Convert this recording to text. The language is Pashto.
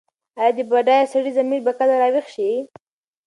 ایا د بډایه سړي ضمیر به کله راویښ شي؟